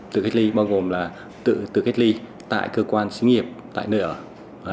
tự kết ly bao gồm là tự kết ly tại cơ quan sinh nghiệp tại nơi ở